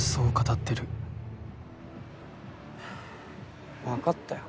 ふぅ分かったよ。